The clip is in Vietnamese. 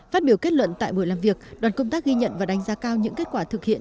phát biểu kết luận tại buổi làm việc đoàn công tác ghi nhận và đánh giá cao những kết quả thực hiện